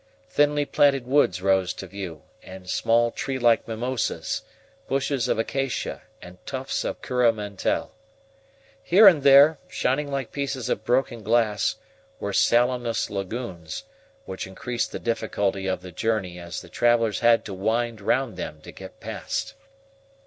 Thinly planted woods rose to view, and small tree like mimosas, bushes of acacia, and tufts of CURRA MANTEL. Here and there, shining like pieces of broken glass, were salinous lagoons, which increased the difficulty of the journey as the travelers had to wind round them to get past.